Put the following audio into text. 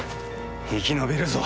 生き延びるぞ！